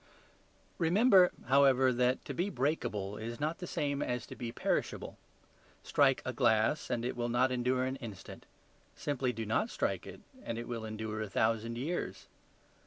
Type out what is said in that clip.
Remember, however, that to be breakable is not the same as to be perishable. Strike a glass, and it will not endure an instant; simply do not strike it, and it will endure a thousand years.